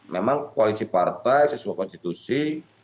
memang koalisi partai sesuai konstitusi